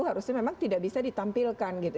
harusnya memang tidak bisa ditampilkan gitu